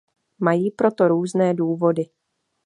Mají pro to různé důvody.